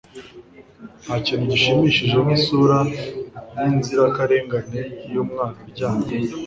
ntakintu gishimishije nkisura yinzirakarengane yumwana uryamye